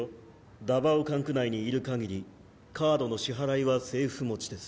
ダバオ管区内にいるかぎりカードの支払いは政府持ちです。